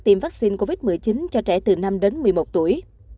tiêm vaccine covid một mươi chín cho trẻ từ năm đến một mươi một tuổi